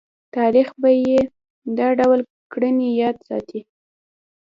تاریخ به یې دا ډول کړنې یاد ساتي.